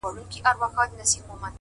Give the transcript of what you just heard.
• او دده اوښكي لا په شړپ بهيدې،